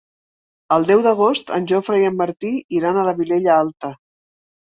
El deu d'agost en Jofre i en Martí iran a la Vilella Alta.